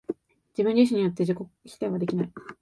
自己自身によって自己否定はできない。